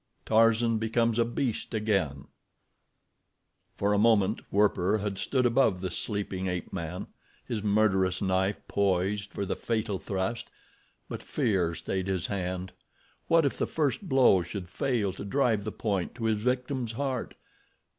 Tarzan Becomes a Beast Again For a moment Werper had stood above the sleeping ape man, his murderous knife poised for the fatal thrust; but fear stayed his hand. What if the first blow should fail to drive the point to his victim's heart?